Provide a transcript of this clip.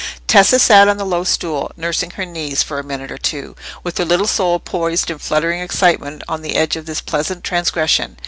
Tessa sat on the low stool, nursing her knees, for a minute or two, with her little soul poised in fluttering excitement on the edge of this pleasant transgression.